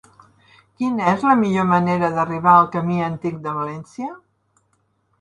Quina és la millor manera d'arribar al camí Antic de València?